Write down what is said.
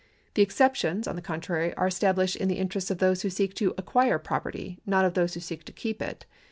The exceptions, on the contrary, are established in the interests of those who seek to acquire property, not of those who seek to keep it.